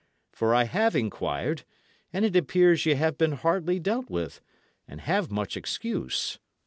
For I have inquired, and it appears ye have been hardly dealt with, and have much excuse.